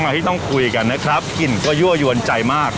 ที่ต้องคุยกันนะครับกลิ่นก็ยั่วยวนใจมาก